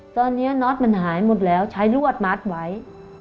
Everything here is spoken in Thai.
ตอนนี้น็อตมันหายหมดแล้วใช้รวดมัดไว้